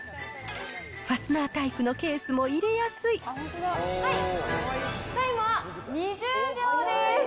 ファスナータイプのケースも入れタイムは２０秒です。